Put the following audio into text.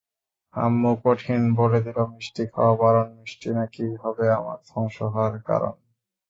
আম্মু কঠিন, বলে দিল—মিষ্টি খাওয়া বারণমিষ্টি নাকি হবে আমার ধ্বংস হওয়ার কারণ।